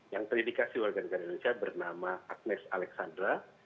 yang terindikasi warga negara indonesia bernama agnes alexandra